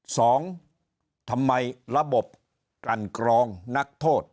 สองทำไมระบบกันกรองนักโทษ